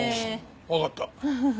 わかった。